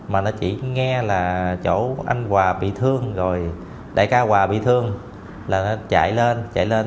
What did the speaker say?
mà nó chỉ nghe là chỗ anh hòa bị thương rồi đại ca hòa bị thương là nó chạy lên chạy lên